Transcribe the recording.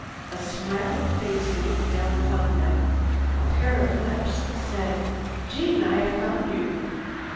A smiling face looked down upon them. A pair of lips said: "Jeanne, I have found you!"